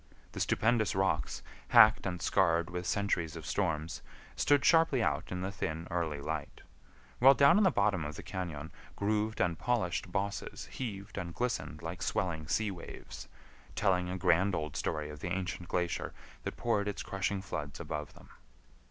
The stupendous rocks, hacked and scarred with centuries of storms, stood sharply out in the thin early light, while down in the bottom of the cañon grooved and polished bosses heaved and glistened like swelling sea waves, telling a grand old story of the ancient glacier that poured its crushing floods above them.